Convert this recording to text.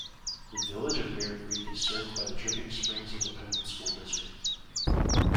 The Village of Bear Creek is served by the Dripping Springs Independent School District.